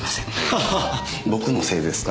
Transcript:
ハハハ僕のせいですか？